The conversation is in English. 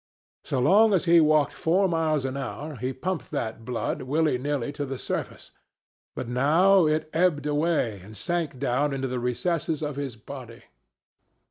So long as he walked four miles an hour, he pumped that blood, willy nilly, to the surface; but now it ebbed away and sank down into the recesses of his body.